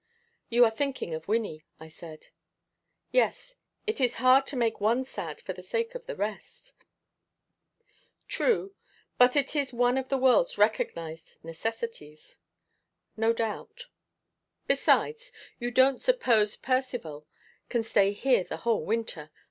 "You are thinking of Wynnie," I said. "Yes. It is hard to make one sad for the sake of the rest." "True. But it is one of the world's recognised necessities." "No doubt." "Besides, you don't suppose Percivale can stay here the whole winter.